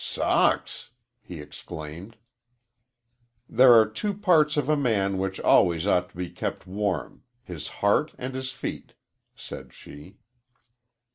"S socks!" he exclaimed. "There are two parts of a man which always ought to be kep' warm his heart an' his feet," said she.